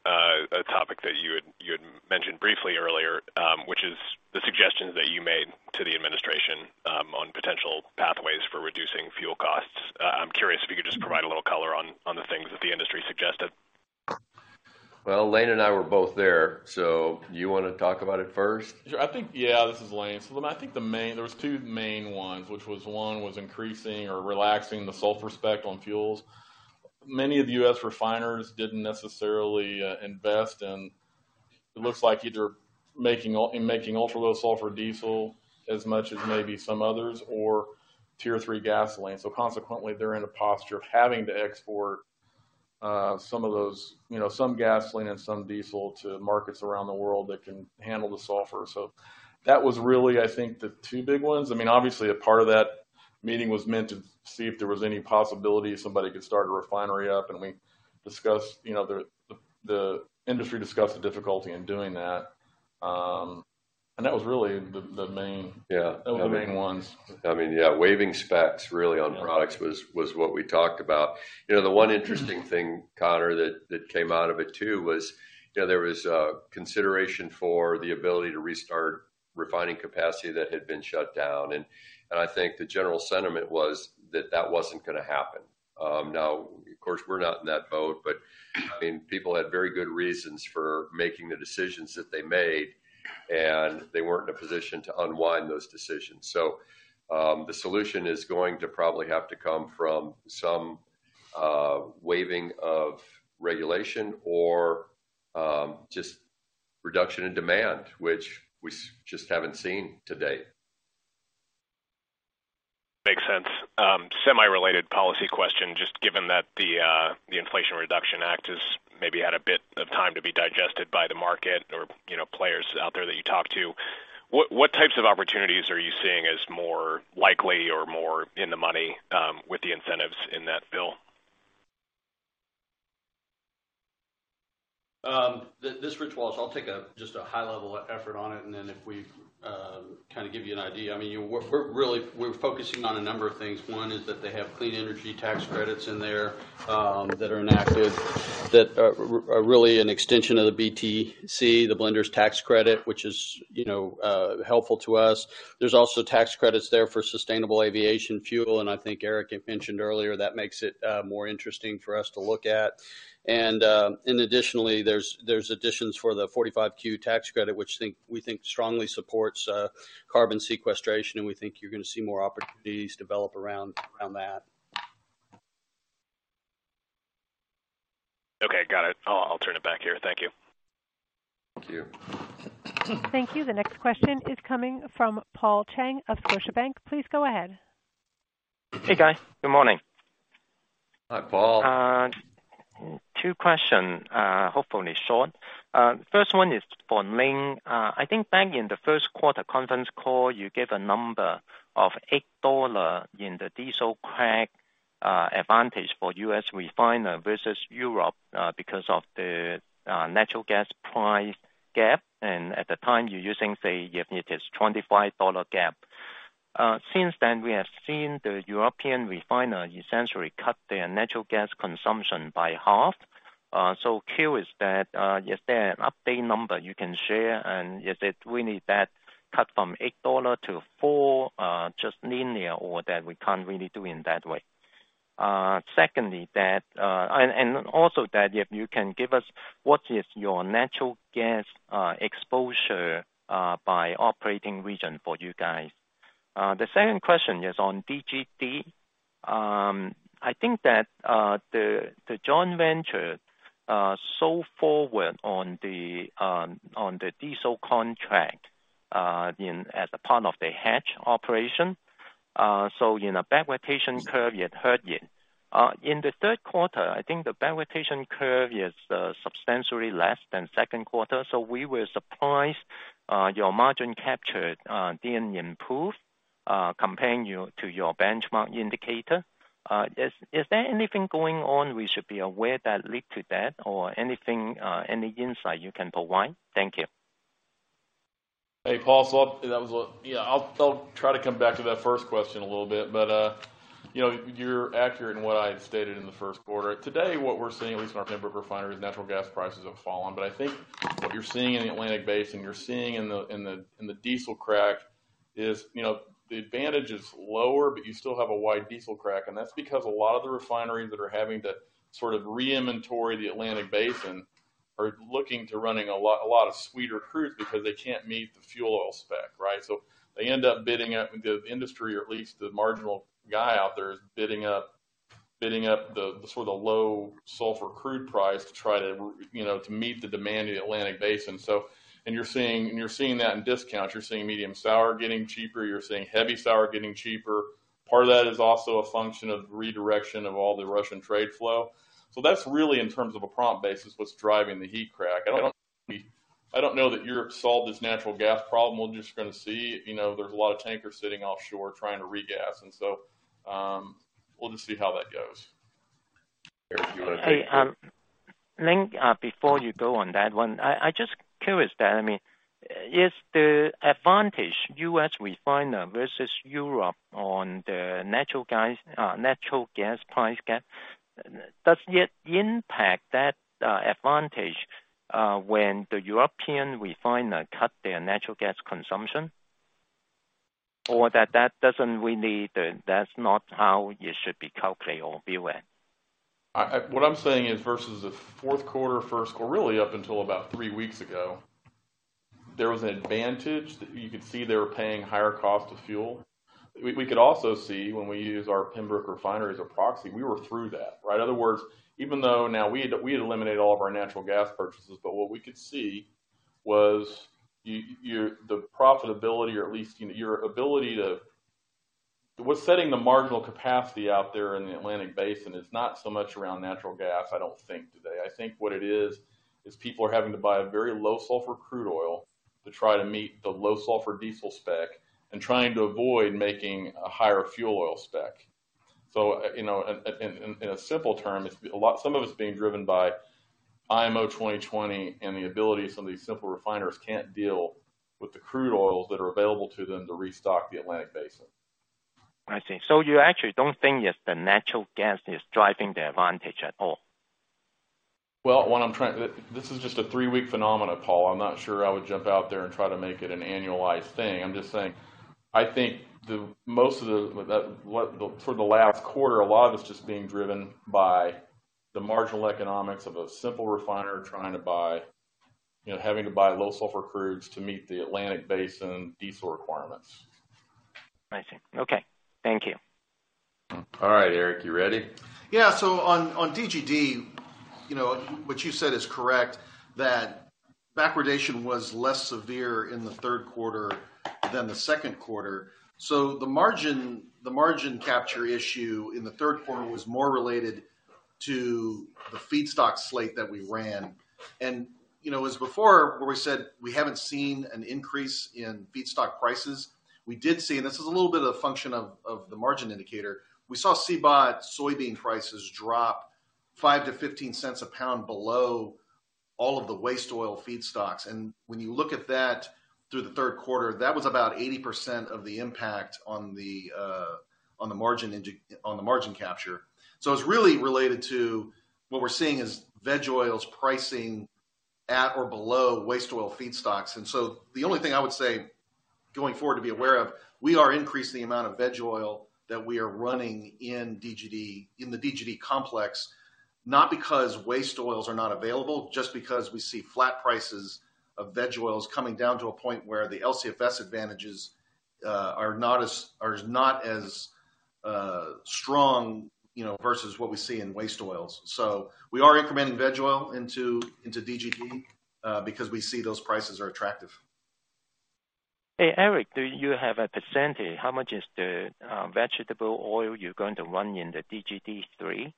[SPEAKER 14] a topic that you had mentioned briefly earlier, which is the suggestions that you made to the administration on potential pathways for reducing fuel costs. I'm curious if you could just provide a little color on the things that the industry suggested.
[SPEAKER 3] Well, Lane and I were both there. Do you wanna talk about it first?
[SPEAKER 6] Sure. I think. Yeah, this is Lane. I think there was two main ones, which was one was increasing or relaxing the sulfur spec on fuels. Many of the U.S. refiners didn't necessarily invest, and it looks like either making in making ultra-low-sulfur diesel as much as maybe some others or Tier three gasoline. Consequently, they're in a posture of having to export some of those, you know, some gasoline and some diesel to markets around the world that can handle the sulfur. That was really, I think, the two big ones. I mean, obviously a part of that meeting was meant to see if there was any possibility somebody could start a refinery up, and we discussed, you know, the industry discussed the difficulty in doing that. That was really the main.
[SPEAKER 3] Yeah.
[SPEAKER 6] Those were the main ones.
[SPEAKER 3] I mean, yeah, waiving specs really on products.
[SPEAKER 6] Yeah.
[SPEAKER 3] was what we talked about. You know, the one interesting thing, Connor, that came out of it too was, you know, there was a consideration for the ability to restart refining capacity that had been shut down. I think the general sentiment was that that wasn't gonna happen. Now of course, we're not in that boat, but I mean, people had very good reasons for making the decisions that they made, and they weren't in a position to unwind those decisions. The solution is going to probably have to come from some waiving of regulation or just reduction in demand, which we just haven't seen to date.
[SPEAKER 14] Makes sense. Semi-related policy question, just given that the Inflation Reduction Act has maybe had a bit of time to be digested by the market or, you know, players out there that you talk to. What types of opportunities are you seeing as more likely or more in the money with the incentives in that bill?
[SPEAKER 5] This is Rich Walsh. I'll take just a high level effort on it, and then if we've kind of give you an idea. I mean, we're really focusing on a number of things. One is that they have clean energy tax credits in there that are enacted that are really an extension of the BTC, the blenders tax credit, which is, you know, helpful to us. There's also tax credits there for sustainable aviation fuel, and I think Eric had mentioned earlier that makes it more interesting for us to look at. Additionally, there's additions for the 45Q tax credit, which we think strongly supports carbon sequestration, and we think you're gonna see more opportunities develop around that.
[SPEAKER 14] Okay, got it. I'll turn it back here. Thank you.
[SPEAKER 3] Thank you.
[SPEAKER 1] Thank you. The next question is coming from Paul Cheng of Scotiabank. Please go ahead.
[SPEAKER 15] Hey, guys. Good morning.
[SPEAKER 3] Hi, Paul.
[SPEAKER 15] Two questions, hopefully short. First one is for Lane. I think back in the first quarter conference call, you gave a number of $8 in the diesel crack advantage for U.S. refiner versus Europe, because of the natural gas price gap. At the time, you're using, say, if it is $25 gap. Since then, we have seen the European refiner essentially cut their natural gas consumption by half. So curious that, is there an update number you can share, and is it really that cut from $8 to $4, just linear or that we can't really do in that way? Secondly, and also that if you can give us what is your natural gas exposure by operating region for you guys. The second question is on DGD. I think that the joint venture so forward on the diesel contract as a part of the hedge operation. In a backwardation curve you had heard yet. In the third quarter, I think the backwardation curve is substantially less than second quarter. We were surprised your margin capture didn't improve, comparing yours to your benchmark indicator. Is there anything going on we should be aware that led to that or anything, any insight you can provide? Thank you.
[SPEAKER 6] Hey, Paul. Yeah, I'll try to come back to that first question a little bit. You know, you're accurate in what I had stated in the first quarter. Today, what we're seeing, at least in our Pembroke refinery, is natural gas prices have fallen. I think what you're seeing in the Atlantic Basin in the diesel crack is, you know, the advantage is lower, but you still have a wide diesel crack, and that's because a lot of the refineries that are having to sort of re-inventory the Atlantic Basin are looking to run a lot of sweeter crude because they can't meet the fuel oil spec, right? They end up bidding up the industry, or at least the marginal guy out there is bidding up the sort of low-sulfur crude price to try to you know, to meet the demand in the Atlantic Basin. You're seeing that in discounts. You're seeing medium-sour getting cheaper. You're seeing heavy-sour getting cheaper. Part of that is also a function of redirection of all the Russian trade flow. That's really, in terms of a prompt basis, what's driving the heat crack. I don't know that Europe solved this natural gas problem. We're just gonna see. You know, there's a lot of tankers sitting offshore trying to regas. We'll just see how that goes. Eric, you want to take that?
[SPEAKER 15] Hey, Lane, before you go on that one, I just curious that, I mean, is the advantage U.S. refiner versus Europe on the natural gas price gap, does it impact that advantage when the European refiner cut their natural gas consumption? Or that doesn't really. That's not how you should be calculate or be aware?
[SPEAKER 6] What I'm saying is versus the fourth quarter, first quarter, really up until about three weeks ago, there was an advantage that you could see they were paying higher cost of fuel. We could also see when we use our Pembroke refinery as a proxy, we were through that, right? In other words, even though now we had eliminated all of our natural gas purchases, but what we could see was the profitability or at least your ability to. What's setting the marginal capacity out there in the Atlantic Basin is not so much around natural gas, I don't think today. I think what it is people are having to buy a very low sulfur crude oil to try to meet the low sulfur diesel spec and trying to avoid making a higher fuel oil spec. You know, in a simple term, it's a lot. Some of it's being driven by IMO 2020 and the ability some of these simple refiners can't deal with the crude oils that are available to them to restock the Atlantic Basin.
[SPEAKER 15] I see. You actually don't think it's the natural gas is driving the advantage at all?
[SPEAKER 6] This is just a three-week phenomenon, Paul. I'm not sure I would jump out there and try to make it an annualized thing. I'm just saying, I think most of that for the last quarter, a lot of it's just being driven by the marginal economics of a simple refiner trying to buy, you know, having to buy low sulfur crudes to meet the Atlantic Basin diesel requirements.
[SPEAKER 15] I see. Okay. Thank you.
[SPEAKER 6] All right, Eric, you ready?
[SPEAKER 11] Yeah. On DGD, you know, what you said is correct, that backwardation was less severe in the third quarter than the second quarter. The margin capture issue in the third quarter was more related to the feedstock slate that we ran. You know, as before, where we said we haven't seen an increase in feedstock prices, we did see, and this is a little bit of a function of the margin indicator. We saw CBOT soybean prices drop $0.05-$0.15 a pound below all of the waste oil feedstocks. When you look at that through the third quarter, that was about 80% of the impact on the margin capture. It's really related to what we're seeing is veg oils pricing at or below waste oil feedstocks. The only thing I would say going forward to be aware of, we are increasing the amount of veg oil that we are running in DGD, in the DGD complex, not because waste oils are not available, just because we see flat prices of veg oils coming down to a point where the LCFS advantages are not as strong, you know, versus what we see in waste oils. We are incrementing veg oil into DGD because we see those prices are attractive.
[SPEAKER 15] Hey, Eric, do you have a percentage? How much is the vegetable oil you're going to run in the DGD 3?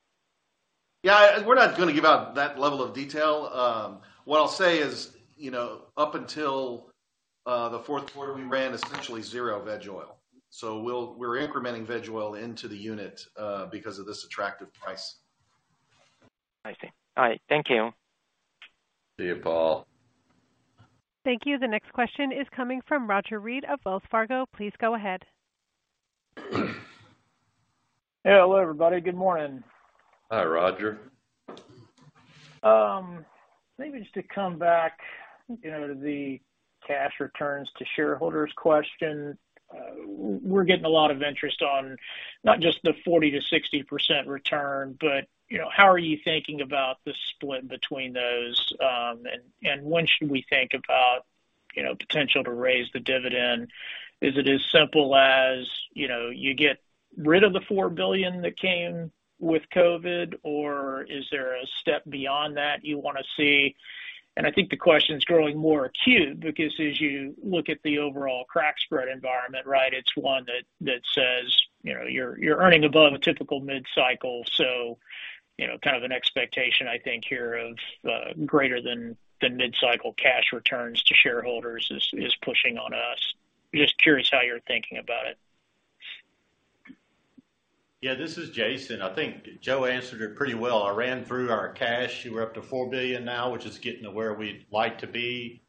[SPEAKER 11] Yeah, we're not gonna give out that level of detail. What I'll say is, you know, up until the fourth quarter, we ran essentially zero veg oil. We're incrementing veg oil into the unit because of this attractive price.
[SPEAKER 15] I see. All right, thank you.
[SPEAKER 3] See you, Paul.
[SPEAKER 1] Thank you. The next question is coming from Roger Read of Wells Fargo. Please go ahead.
[SPEAKER 16] Yeah. Hello, everybody. Good morning.
[SPEAKER 3] Hi, Roger.
[SPEAKER 16] Maybe just to come back, you know, to the cash returns to shareholders question. We're getting a lot of interest on not just the 40%-60% return, but, you know, how are you thinking about the split between those? When should we think about, you know, potential to raise the dividend? Is it as simple as, you know, you get rid of the $4 billion that came with COVID, or is there a step beyond that you wanna see? I think the question is growing more acute because as you look at the overall crack spread environment, right, it's one that says, you know, you're earning above a typical mid-cycle. You know, kind of an expectation, I think here of greater than the mid-cycle cash returns to shareholders is pushing on us. Just curious how you're thinking about it?
[SPEAKER 17] Yeah, this is Jason. I think Joe answered it pretty well. I ran through our cash. We're up to $4 billion now, which is getting to where we'd like to be.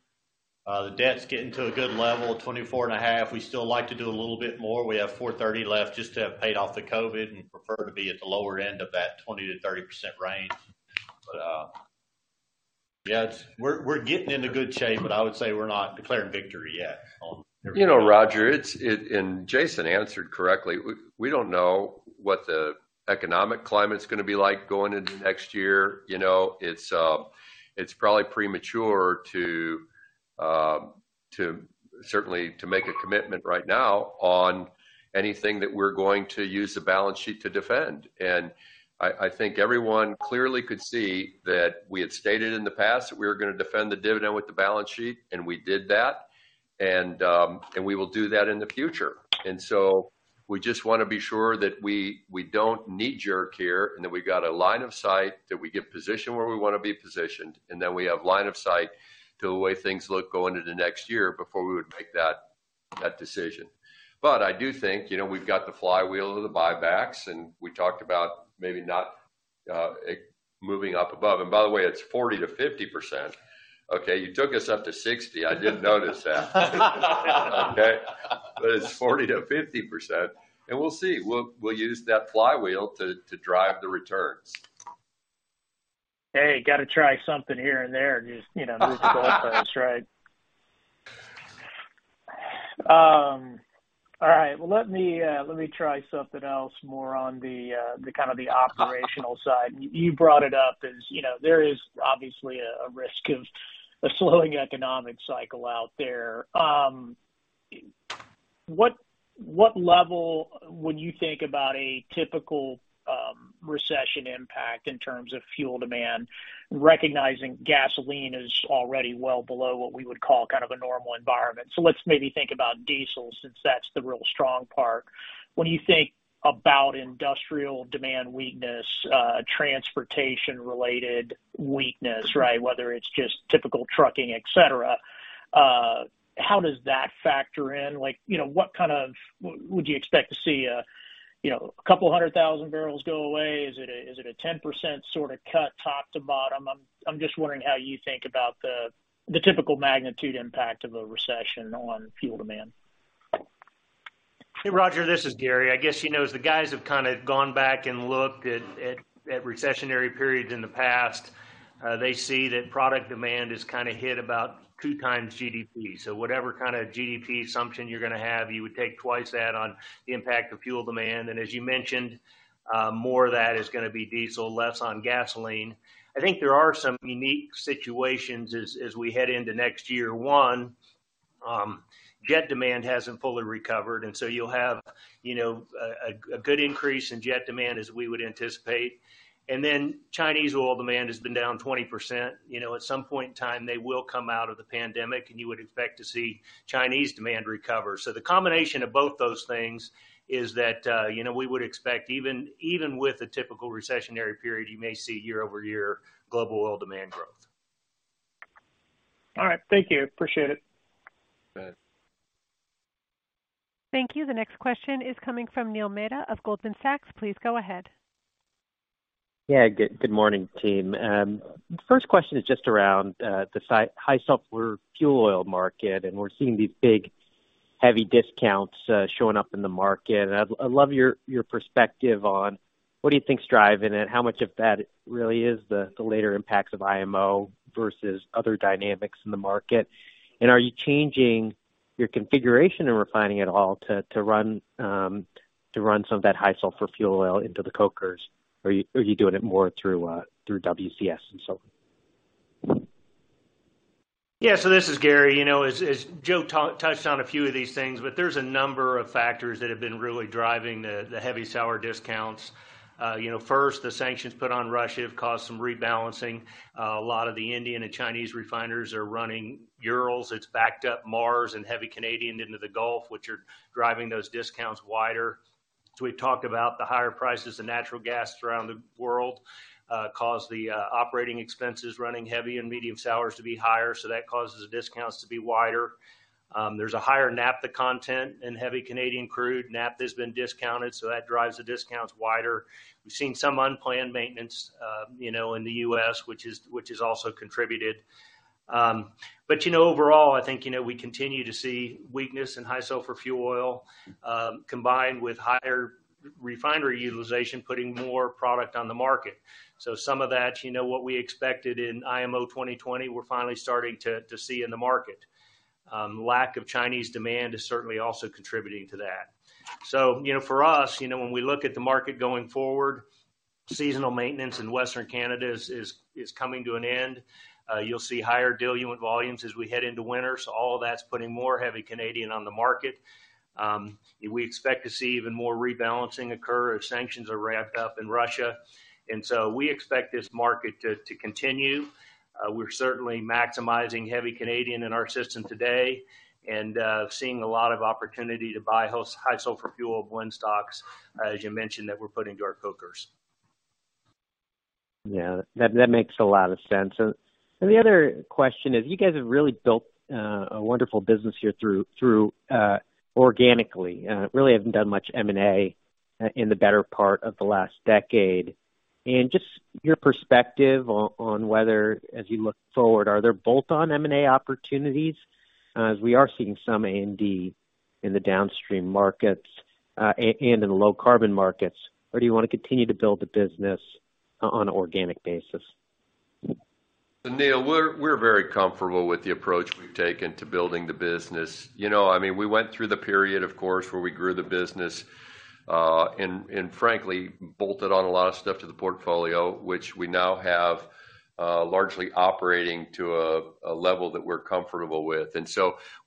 [SPEAKER 17] The debt's getting to a good level, $24.5 billion. We still like to do a little bit more. We have $430 million left just to have paid off the COVID and prefer to be at the lower end of that 20%-30% range. Yeah, we're getting into good shape, but I would say we're not declaring victory yet on.
[SPEAKER 3] You know, Roger, Jason answered correctly. We don't know what the economic climate's gonna be like going into next year. You know, it's probably premature to certainly make a commitment right now on anything that we're going to use the balance sheet to defend. I think everyone clearly could see that we had stated in the past that we were gonna defend the dividend with the balance sheet, and we did that. and we will do that in the future. We just wanna be sure that we don't knee-jerk here and that we've got a line of sight, that we get positioned where we wanna be positioned, and then we have line of sight to the way things look going into next year before we would make that decision. I do think, you know, we've got the flywheel of the buybacks, and we talked about maybe not moving up above. By the way, it's 40%-50%, okay? You took us up to 60%. I did notice that. Okay? It's 40%-50%. We'll see. We'll use that flywheel to drive the returns.
[SPEAKER 16] Hey, gotta try something here and there and just, you know, move the goalposts, right? All right. Well, let me try something else more on the kind of the operational side. You brought it up, as you know, there is obviously a risk of a slowing economic cycle out there. What level would you think about a typical recession impact in terms of fuel demand? Recognizing gasoline is already well below what we would call kind of a normal environment. So let's maybe think about diesel since that's the real strong part. When you think about industrial demand weakness, transportation-related weakness, right? Whether it's just typical trucking, et cetera, how does that factor in? Like, you know, what kind of. Would you expect to see, you know, 200,000 barrels go away? Is it a 10% sort of cut top to bottom? I'm just wondering how you think about the typical magnitude impact of a recession on fuel demand.
[SPEAKER 7] Hey, Roger, this is Gary. I guess, you know, as the guys have kind of gone back and looked at recessionary periods in the past, they see that product demand is kind of hit about two times GDP. Whatever kind of GDP assumption you're gonna have, you would take twice that on the impact of fuel demand. As you mentioned, more of that is gonna be diesel, less on gasoline. I think there are some unique situations as we head into next year. One, jet demand hasn't fully recovered, and so you'll have, you know, a good increase in jet demand as we would anticipate. Chinese oil demand has been down 20%. You know, at some point in time, they will come out of the pandemic and you would expect to see Chinese demand recover. The combination of both those things is that, you know, we would expect even with a typical recessionary period, you may see year-over-year global oil demand growth.
[SPEAKER 16] All right. Thank you. Appreciate it.
[SPEAKER 3] All right.
[SPEAKER 1] Thank you. The next question is coming from Neil Mehta of Goldman Sachs. Please go ahead.
[SPEAKER 18] Yeah. Good morning, team. First question is just around the high sulfur fuel oil market, and we're seeing these big, heavy discounts showing up in the market. I'd love your perspective on what do you think is driving it? How much of that really is the later impacts of IMO versus other dynamics in the market? And are you changing your configuration and refining it all to run some of that high sulfur fuel oil into the cokers? Are you doing it more through WCS and so on?
[SPEAKER 7] Yeah. This is Gary. You know, as Joe touched on a few of these things, but there's a number of factors that have been really driving the heavy sour discounts. You know, first, the sanctions put on Russia have caused some rebalancing. A lot of the Indian and Chinese refiners are running Urals. It's backed up Mars and heavy Canadian into the Gulf, which are driving those discounts wider. We've talked about the higher prices of natural gas around the world, caused the operating expenses running heavy and medium sour to be higher, so that causes the discounts to be wider. There's a higher naphtha content in heavy Canadian crude. Naphtha has been discounted, so that drives the discounts wider. We've seen some unplanned maintenance, you know, in the US, which has also contributed. You know, overall, I think, you know, we continue to see weakness in high-sulfur fuel oil, combined with higher refiner utilization, putting more product on the market. Some of that, you know, what we expected in IMO 2020, we're finally starting to see in the market. Lack of Chinese demand is certainly also contributing to that. You know, for us, you know, when we look at the market going forward, seasonal maintenance in Western Canada is coming to an end. You'll see higher diluent volumes as we head into winter, so all that's putting more heavy Canadian on the market. We expect to see even more rebalancing occur if sanctions are ramped up in Russia. We expect this market to continue. We're certainly maximizing heavy Canadian in our system today and seeing a lot of opportunity to buy high sulfur fuel blend stocks, as you mentioned, that we're putting into our cokers.
[SPEAKER 18] Yeah. That makes a lot of sense. The other question is, you guys have really built a wonderful business here through organically. Really haven't done much M&A in the better part of the last decade. Just your perspective on whether as you look forward, are there bolt-on M&A opportunities? As we are seeing some indeed in the downstream markets and in low carbon markets. Or do you wanna continue to build the business on organic basis?
[SPEAKER 3] Neil, we're very comfortable with the approach we've taken to building the business. You know, I mean, we went through the period, of course, where we grew the business, and frankly bolted on a lot of stuff to the portfolio, which we now have largely operating to a level that we're comfortable with.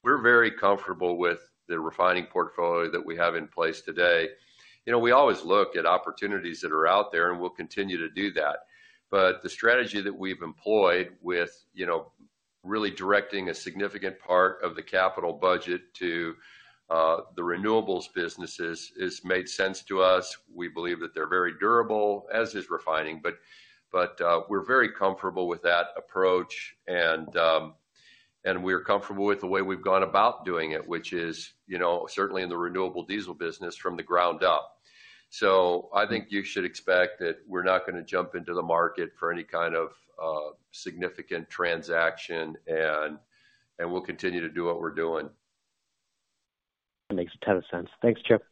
[SPEAKER 3] We're very comfortable with the refining portfolio that we have in place today. You know, we always look at opportunities that are out there, and we'll continue to do that. The strategy that we've employed with, you know, really directing a significant part of the capital budget to the renewables businesses has made sense to us. We believe that they're very durable, as is refining, but we're very comfortable with that approach and we're comfortable with the way we've gone about doing it, which is, you know, certainly in the Renewable Diesel business from the ground up. I think you should expect that we're not gonna jump into the market for any kind of significant transaction and we'll continue to do what we're doing.
[SPEAKER 18] That makes a ton of sense. Thanks, Chip.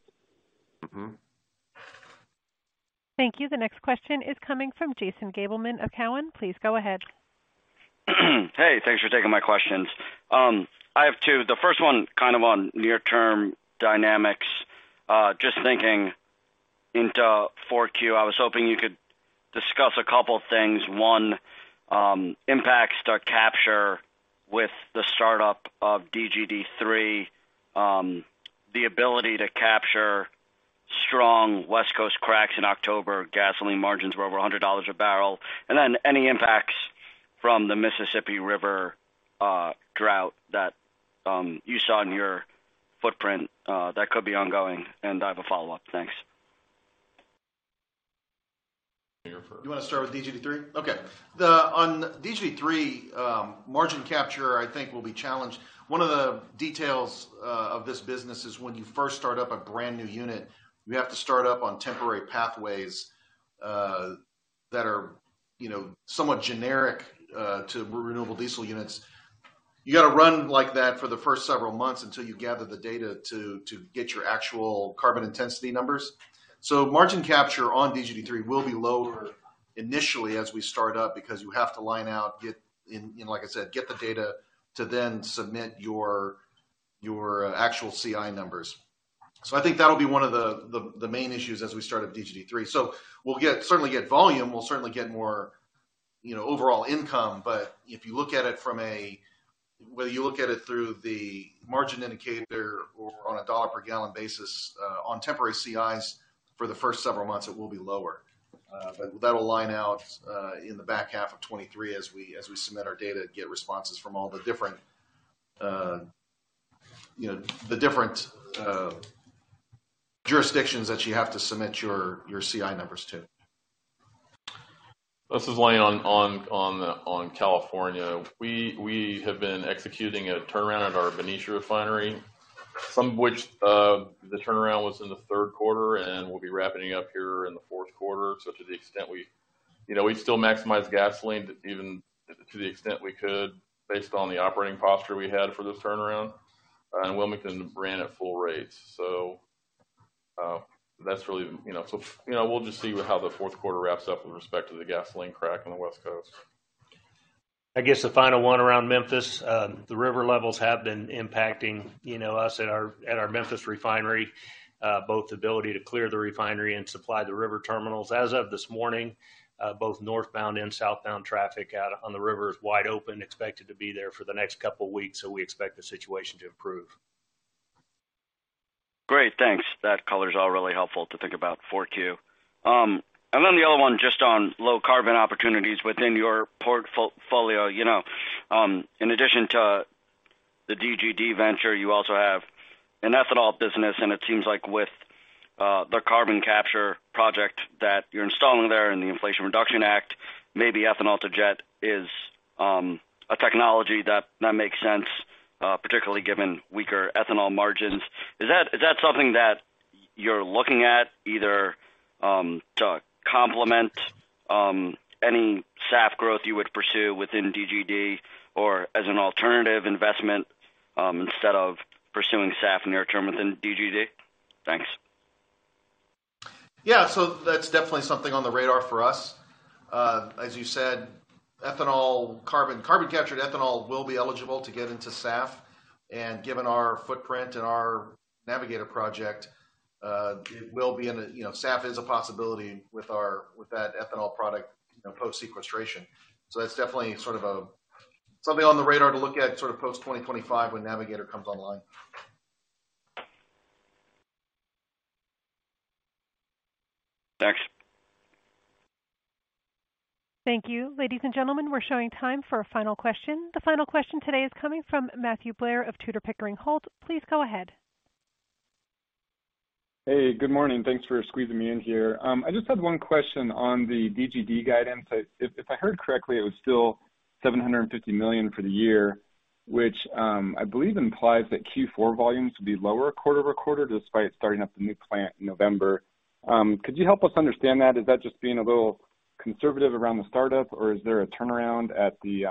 [SPEAKER 1] Thank you. The next question is coming from Jason Gabelman of Cowen. Please go ahead.
[SPEAKER 19] Hey, thanks for taking my questions. I have two. The first one kind of on near-term dynamics. Just thinking into 4Q, I was hoping you could discuss a couple things. One, impacts to capture with the startup of DGD3, the ability to capture strong West Coast cracks in October. Gasoline margins were over $100 a barrel. Then any impacts from the Mississippi River drought that you saw in your footprint that could be ongoing. I have a follow-up. Thanks.
[SPEAKER 3] You first.
[SPEAKER 7] You wanna start with DGD3? Okay. On DGD3, margin capture I think will be challenged. One of the details of this business is when you first start up a brand new unit, you have to start up on temporary pathways that are, you know, somewhat generic to renewable diesel units. You gotta run like that for the first several months until you gather the data to get your actual carbon intensity numbers. Margin capture on DGD3 will be lower initially as we start up because you have to line out, get and like I said, get the data to then submit your actual CI numbers. I think that'll be one of the main issues as we start up DGD3. We'll certainly get volume. We'll certainly get more, you know, overall income. If you look at it whether you look at it through the margin indicator or on a dollar per gallon basis, on temporary CIs, for the first several months it will be lower. That'll line out in the back half of 2023 as we submit our data and get responses from all the different, you know, jurisdictions that you have to submit your CI numbers to.
[SPEAKER 6] This is Lane on California. We have been executing a turnaround at our Benicia refinery, some of which, the turnaround was in the third quarter and we'll be wrapping up here in the fourth quarter. To the extent we You know, we still maximize gasoline even to the extent we could based on the operating posture we had for this turnaround. Wilmington ran at full rates. That's really, you know, you know, we'll just see how the fourth quarter wraps up with respect to the gasoline crack on the West Coast.
[SPEAKER 7] I guess the final one around Memphis, the river levels have been impacting, you know, us at our Memphis refinery, both the ability to clear the refinery and supply the river terminals. As of this morning, both northbound and southbound traffic out on the river is wide open, expected to be there for the next couple weeks, so we expect the situation to improve.
[SPEAKER 19] Great. Thanks. That color's all really helpful to think about 4Q. The other one just on low carbon opportunities within your portfolio. You know, in addition to the DGD venture, you also have an ethanol business, and it seems like with the carbon capture project that you're installing there and the Inflation Reduction Act, maybe ethanol to jet is a technology that makes sense, particularly given weaker ethanol margins. Is that something that you're looking at either to complement any SAF growth you would pursue within DGD or as an alternative investment instead of pursuing SAF near-term within DGD? Thanks.
[SPEAKER 11] That's definitely something on the radar for us. As you said, carbon captured ethanol will be eligible to get into SAF, and given our footprint and our Navigator project, it will be, you know, SAF is a possibility with that ethanol product, you know, post-sequestration. That's definitely something on the radar to look at post-2025 when Navigator comes online.
[SPEAKER 19] Thanks.
[SPEAKER 1] Thank you. Ladies and gentlemen, we're showing time for a final question. The final question today is coming from Matthew Blair of Tudor, Pickering, Holt & Co. Please go ahead.
[SPEAKER 20] Hey, good morning. Thanks for squeezing me in here. I just had one question on the DGD guidance. If I heard correctly, it was still $750 million for the year, which I believe implies that Q4 volumes would be lower quarter-over-quarter despite starting up the new plant in November. Could you help us understand that? Is that just being a little conservative around the startup, or is there a turnaround at the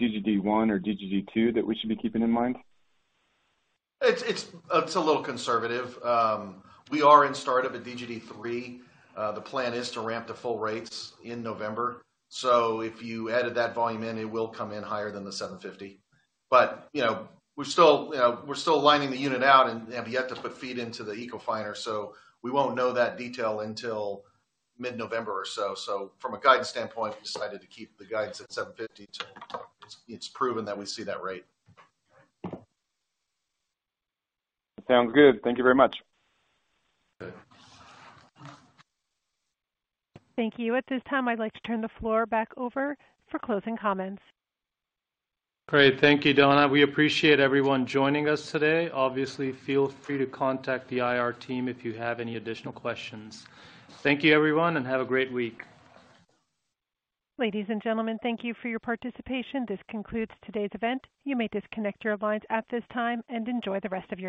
[SPEAKER 20] DGD one or DGD two that we should be keeping in mind?
[SPEAKER 11] It's a little conservative. We are in startup at DGD 3. The plan is to ramp to full rates in November. If you added that volume in, it will come in higher than the 750. You know, we're still lining the unit out and have yet to put feed into the Ecofining, so we won't know that detail until mid-November or so. From a guidance standpoint, we decided to keep the guidance at 750 till it's proven that we see that rate.
[SPEAKER 20] Sounds good. Thank you very much.
[SPEAKER 11] Okay.
[SPEAKER 1] Thank you. At this time, I'd like to turn the floor back over for closing comments.
[SPEAKER 3] Great. Thank you, Donna. We appreciate everyone joining us today. Obviously, feel free to contact the IR team if you have any additional questions. Thank you, everyone, and have a great week.
[SPEAKER 1] Ladies and gentlemen, thank you for your participation. This concludes today's event. You may disconnect your lines at this time and enjoy the rest of your day.